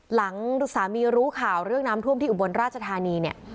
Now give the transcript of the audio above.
หลังสามีรู้ข่าวเรื่องน้ำท่วมที่อุบลราชธานีเนี่ย